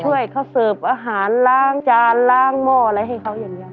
ช่วยเขาเสิร์ฟอาหารล้างจานล้างหม้ออะไรให้เขาอย่างนี้